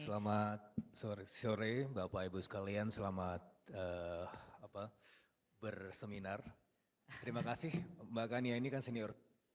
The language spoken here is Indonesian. selamat sore bapak ibu sekalian selamat berseminar terima kasih mbak ghania ini kan senior